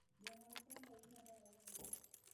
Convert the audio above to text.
د افغانستان پوځونه به روان وي.